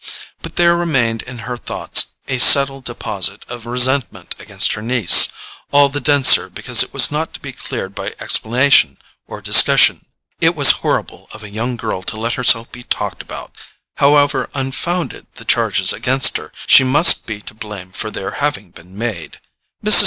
But there remained in her thoughts a settled deposit of resentment against her niece, all the denser because it was not to be cleared by explanation or discussion. It was horrible of a young girl to let herself be talked about; however unfounded the charges against her, she must be to blame for their having been made. Mrs.